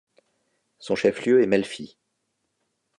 Son chef-lieu est Melfi.